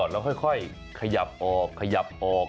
แล้วค่อยขยับออก